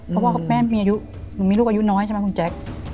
เพราะว่าแม่มีลูกอายุน้อยใช่ไหมคุณแจ็ค